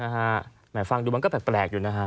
หมายฟังก็ดูแปลกอยู่นะฮา